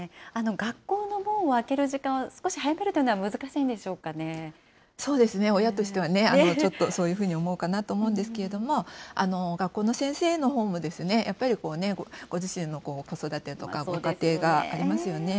学校の門を開ける時間を少し早めるというのは難しいんでしょそうですね、親としてはちょっとそういうふうに思うかなと思うんですけれども、学校の先生のほうもですね、やっぱりご自身の子育てとか、ご家庭がありますよね。